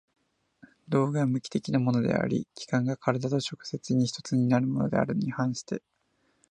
道具は無機的なものであり、器宮が身体と直接に一つのものであるに反して